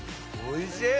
おいしい！